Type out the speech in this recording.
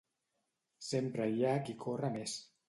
Sempre hi ha qui corre més.